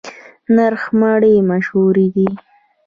نرخ مڼې مشهورې دي؟